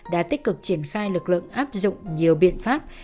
đã tích cực triển khai lực lượng áp dụng nhiều biện pháp